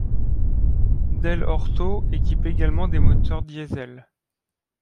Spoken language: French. Dell'Orto équipe également des moteurs diesel.